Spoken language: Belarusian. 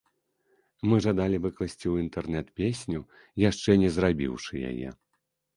Мы жадалі выкласці ў інтэрнэт песню, яшчэ не зрабіўшы яе.